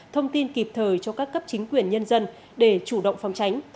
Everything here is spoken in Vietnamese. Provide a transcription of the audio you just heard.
thông tin kịp thời cho các cấp chính quyền nhân dân để chủ động phòng tránh